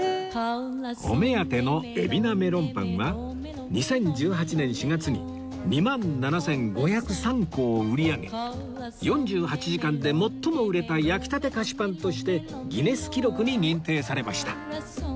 お目当ての海老名メロンパンは２０１８年４月に２万７５０３個を売り上げ４８時間で最も売れた焼きたて菓子パンとしてギネス記録に認定されました